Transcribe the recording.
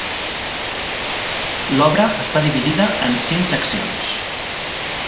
L'obra està dividida en cinc seccions.